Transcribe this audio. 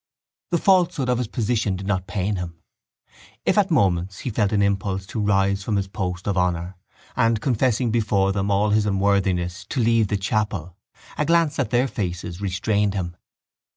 The falsehood of his position did not pain him. If at moments he felt an impulse to rise from his post of honour and, confessing before them all his unworthiness, to leave the chapel, a glance at their faces restrained him.